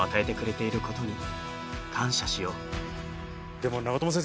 でも長友先生